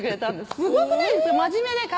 すごくないですか？